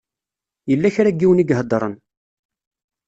Yella kra n yiwen i iheddṛen.